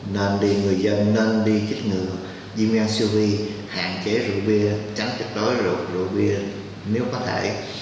nên đi người dân nên đi chích ngừa diêm gan siêu vi hạn chế rượu bia tránh chích đối rượu rượu bia nếu có thể